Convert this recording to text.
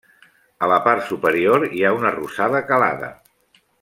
A la part superior hi ha una rosada calada.